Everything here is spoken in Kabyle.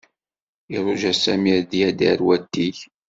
Iṛuja Sami ar d-yader watig.